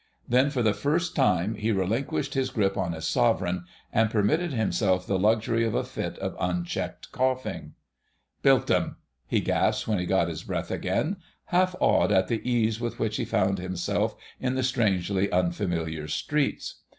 Then for the first time he relinquished his grip on his sovereign, and permitted himself the luxury of a fit of unchecked coughing. "Bilked 'im," he gasped when he got his breath again, half awed at the ease with which he found himself in the strangely unfamiliar streets.